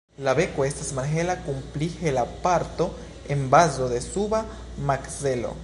La beko estas malhela kun pli hela parto en bazo de suba makzelo.